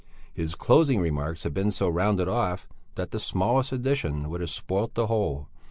His closing remarks had been so rounded off that the smallest addition would have spoilt the whole.